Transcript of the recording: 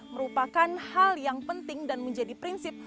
merupakan hal yang penting dan menjadi prinsip